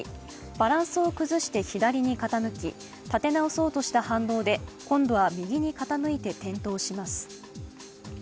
バランスを崩して左に傾き、立て直そうとした反動で今度は右に傾いて転倒します。